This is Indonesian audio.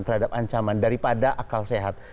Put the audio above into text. terhadap ancaman daripada akal sehat